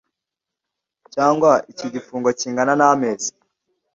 cyangwa icy igifungo kingana n amezi